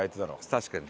確かに。